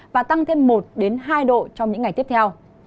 và tăng thêm một hai độ trong những ngày tiếp theo